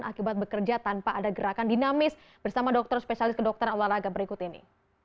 akibat bekerja tanpa ada gerakan dinamis bersama dokter spesialis kedokteran olahraga berikut ini